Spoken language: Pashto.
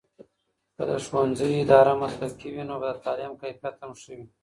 که د ښوونځي اداره مسلکي وي، نو به د تعلیم کیفیت هم ښه وي.